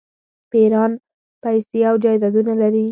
پیران پیسې او جایدادونه لري.